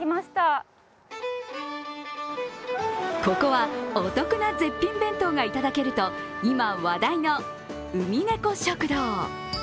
ここはお得な絶品弁当がいただけると今話題のうみねこ食堂。